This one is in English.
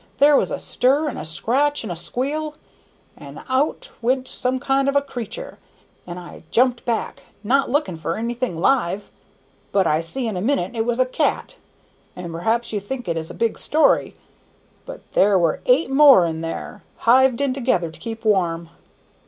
there was a stir and a scratch and a squeal, and out went some kind of a creatur', and I jumped back, not looking for anything live, but I see in a minute it was a cat; and perhaps you think it is a big story, but there were eight more in there, hived in together to keep warm.